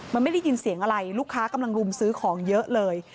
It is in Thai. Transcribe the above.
มันไม่ได้ยินเสียงอะไรลูกค้ากำลังรุมซื้อของเยอะเลย